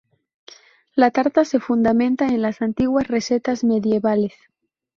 La tarta se fundamenta en las antiguas recetas medievales.